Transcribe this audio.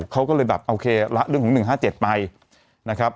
เขาก็เลยแบบโอเคละเรื่องของ๑๕๗ไปนะครับ